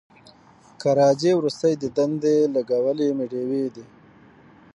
که راځې وروستی دیدن دی لګولي مي ډېوې دي